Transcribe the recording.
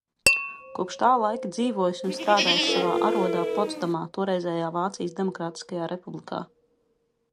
Kopš tā laika dzīvojis un strādājis savā arodā Potsdamā, toreizējā Vācijas Demokrātiskajā Republikā.